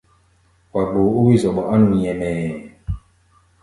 Wa gboo ó wí-zɔɓɔ á nu nyɛmɛɛ.